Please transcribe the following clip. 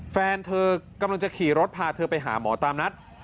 แฟนเธอกำลังจะขี่รถพาเธอไปหาหมอตามนัด